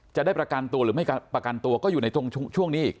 จะได้ประกันตัวหรือไม่ประกันตัวก็อยู่ในตรงช่วงนี้อีก